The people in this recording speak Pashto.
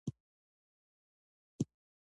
هر څه به خپل طبعي حل ته رسېدل.